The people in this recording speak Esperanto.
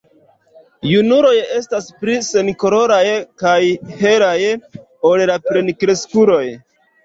Junuloj estas pli senkoloraj kaj helaj ol la plenkreskuloj.